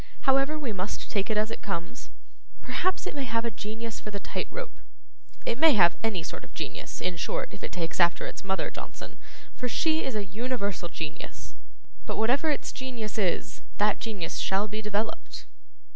However, we must take it as it comes. Perhaps it may have a genius for the tight rope. It may have any sort of genius, in short, if it takes after its mother, Johnson, for she is an universal genius; but, whatever its genius is, that genius shall be developed.